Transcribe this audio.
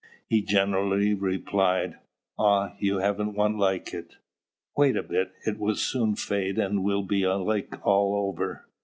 he generally replied, "Ah, you haven't one like it! Wait a bit, it will soon fade and will be alike all over."